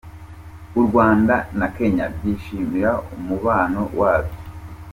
U Rwanda na Kenya byishimira umubano wabyo